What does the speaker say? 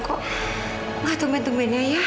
kok gak tumben tumbennya ya